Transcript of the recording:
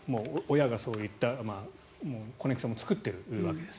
親がそういったコネクションを作っているわけです。